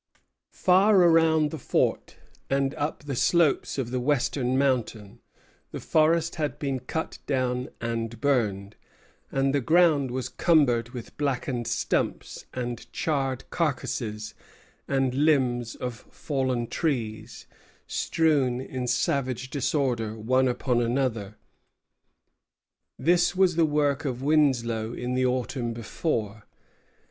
Far around the fort and up the slopes of the western mountain the forest had been cut down and burned, and the ground was cumbered with blackened stumps and charred carcasses and limbs of fallen trees, strewn in savage disorder one upon another. This was the work of Winslow in the autumn before.